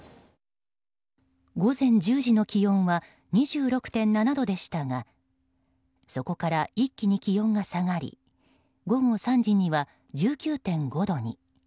午前１０時の気温は２６．７度でしたがそこから一気に気温が下がり午後３時には、１９．５度に。